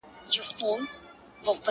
چي نه په ویښه نه په خوب یې وي بګړۍ لیدلې٫